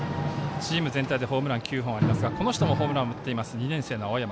チーム全体でホームランが９本ありますがこの人もホームランを打っています、２年生の青山。